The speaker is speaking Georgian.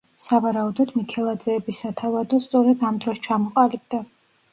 სავარაუდოდ მიქელაძეების სათავადო სწორედ ამ დროს ჩამოყალიბდა.